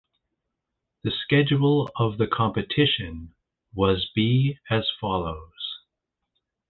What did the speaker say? The schedule of the competition was be as follows.